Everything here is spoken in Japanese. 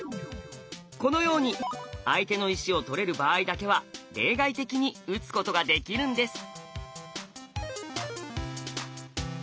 このように相手の石を取れる場合だけは例外的に打つことができるんです。